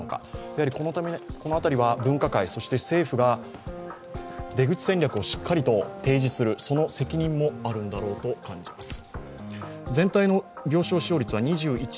やはりこの辺りは分科会そして政府が出口戦略をしっかりと提示するその責任もあるんだろうと感じます。